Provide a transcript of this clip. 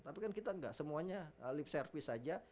tapi kan kita nggak semuanya lip service saja